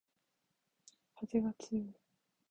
かぜがつよい